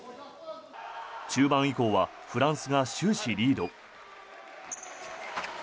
中盤以降はフランスが終始リード。